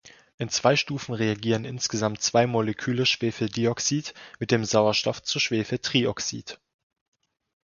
In zwei Stufen reagieren insgesamt zwei Moleküle Schwefeldioxid mit dem Sauerstoff zu Schwefeltrioxid.